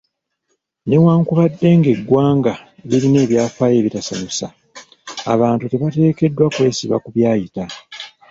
Newankubadde ng'eggwanga lirina ebyafaayo ebitasanyusa, abantu tebateekeddwa kwesiba ku byayita.